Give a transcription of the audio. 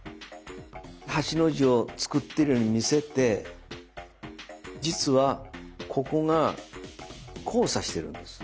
８の字を作ってるように見せて実はここが交差しているんです。